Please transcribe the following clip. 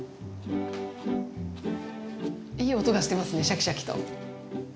いい音がしてますねシャキシャキと。